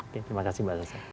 terima kasih mbak ressa